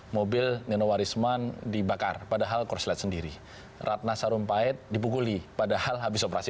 mobil nino warisman dibakar padahal korslet sendiri ratna sarumpait dipukuli padahal habis operasi